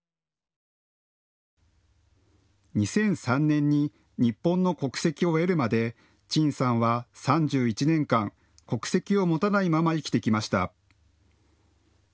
２００３年に日本の国籍を得るまで陳さんは３１年間、国籍を持たないまま生きてきました。